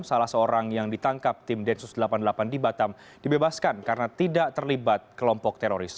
salah seorang yang ditangkap tim densus delapan puluh delapan di batam dibebaskan karena tidak terlibat kelompok teroris